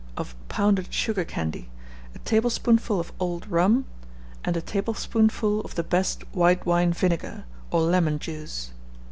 of pounded sugar candy, a tablespoonful of old rum, and a tablespoonful of the best white wine vinegar, or lemon juice.